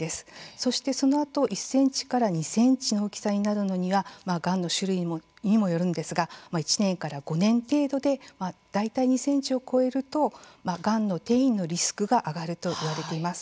そしてその後、１センチから２センチの大きさになるのにはがんの種類にもよるんですが１年から５年程度で大体２センチを超えるとがんの転移のリスクが上がるといわれています。